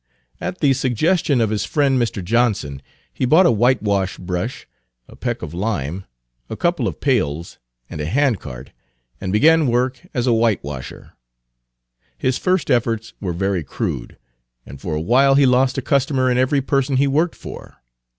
At the suggestion of his friend Mr. Johnson, he bought a whitewash brush, a peck of lime, a couple of pails, and a handcart, and began work as a whitewasher. His first efforts were very crude, and for a while he lost a customer in every person he worked for.